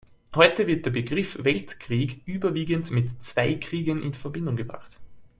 Heute wird der Begriff „Weltkrieg“ überwiegend mit zwei Kriegen in Verbindung gebracht.